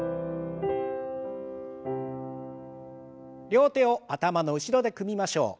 両手を頭の後ろで組みましょう。